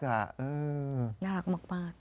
น่ารักมากค่ะ